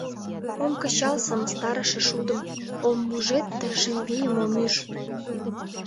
Ом кычал сымыстарыше шудым, Ом мужед да шем вийым ом ӱж.